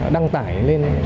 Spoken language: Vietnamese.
đăng tải lên